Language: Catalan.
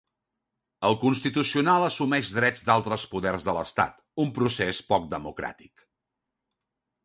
El Constitucional assumeix drets d'altres poders de l'estat, un procés poc democràtic.